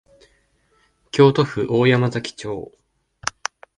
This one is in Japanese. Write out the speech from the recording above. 京都府大山崎町